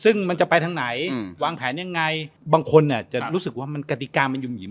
ซึ่งมันจะไปทางไหนวางแผนยังไงบางคนเนี่ยจะรู้สึกว่าขติการมันยุ่มหยิ้ม